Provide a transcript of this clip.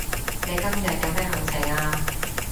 你今日有咩行程啊